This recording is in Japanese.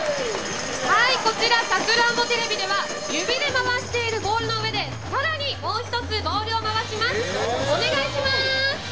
こちらさくらんぼテレビでは指で回しているボールの上でさらにもう１つボールを回します。